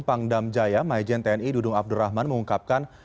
pang damjaya majen tni dudung abdurrahman mengungkapkan